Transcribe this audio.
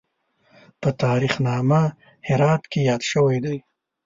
په تاریخ نامه هرات کې یاد شوی دی.